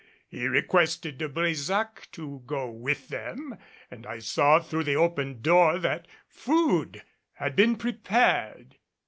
He requested De Brésac to go with them, and I saw through the open door that food had been prepared.